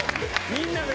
みんなで。